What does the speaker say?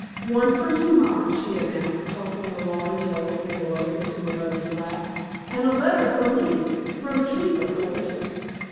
"One for you, ma," she announced, tossing a large yellow envelope into her mother's lap, "and a letter for me from Keith, of course."